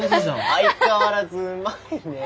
相変わらずうまいねえ。